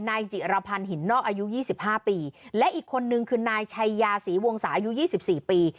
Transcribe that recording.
นายจิรพันธ์หินนอกอายุ๒๕ปีและอีกคนนึงคือนายชัยยาศรีวงศาอายุ๒๔ปี